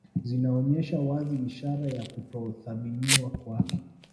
Zinaonyesha wazi ishara ya kutothaminiwa kwake